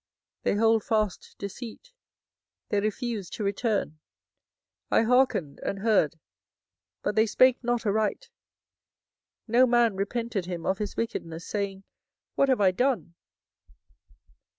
they hold fast deceit, they refuse to return. 24:008:006 I hearkened and heard, but they spake not aright: no man repented him of his wickedness, saying, What have I done?